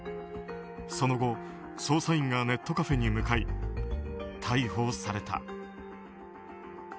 その後、捜査員がネットカフェに向かい逮捕された。